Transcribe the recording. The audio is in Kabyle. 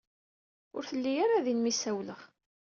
Ur telli ara din mi s-ssawleɣ.